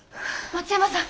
松山さん